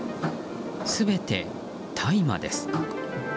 全て大麻です。